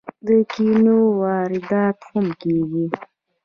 د کینو واردات هم کیږي.